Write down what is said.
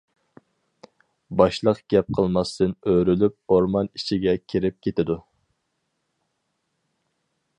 باشلىق گەپ قىلماستىن ئۆرۈلۈپ ئورمان ئىچىگە كىرىپ كېتىدۇ.